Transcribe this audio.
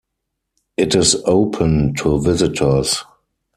It is open to visitors.